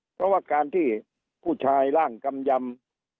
เพราะว่าการที่ผู้ชายร่างกำยำ